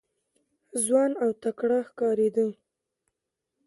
ځوان او تکړه ښکارېده.